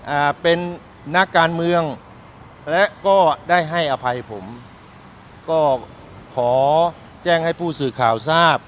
อ่าเป็นนักการเมืองและก็ได้ให้อภัยผมก็ขอแจ้งให้ผู้สื่อข่าวทราบ